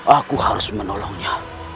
aku harus menolongnya